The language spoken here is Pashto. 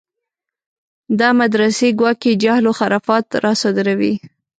دا مدرسې ګواکې جهل و خرافات راصادروي.